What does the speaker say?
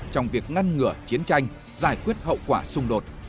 trong việc ngăn ngửa chiến tranh giải quyết hậu quả xung đột